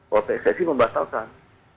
polisi pssi membatalkan